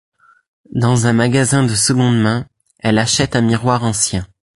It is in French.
Dans un magasin de seconde main, elle achète un miroir ancien.